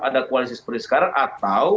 ada koalisi seperti sekarang atau